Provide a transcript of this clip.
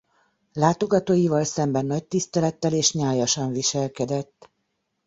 Látogatóival szemben nagy tisztelettel és nyájasan viselkedett.